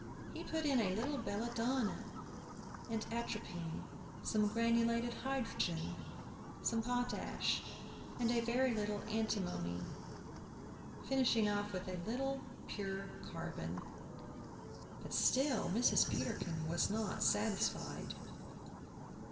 He put in a little belladonna and atropine, some granulated hydrogen, some potash, and a very little antimony, finishing off with a little pure carbon. But still Mrs. Peterkin was not satisfied.